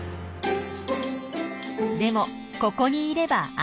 でもここにいれば安心。